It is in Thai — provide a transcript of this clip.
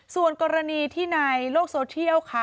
ส่วนกรณีที่ในโลกโซเทียลค่ะ